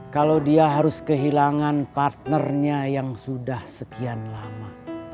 kalau dia harus kehilangan partnernya yang sudah sekian lama